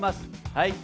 はい！